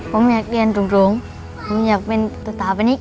ผมอยากเรียนสูงอยากเป็นตัวตาพนิษฐ์